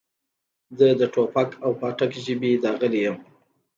زه د ټوپک او پاټک ژبې داغلی یم.